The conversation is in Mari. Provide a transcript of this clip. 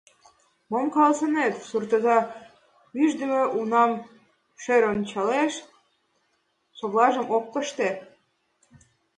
Мом каласынет? — суртоза ӱждымӧ унам шӧрын ончалеш, совлажым ок пыште.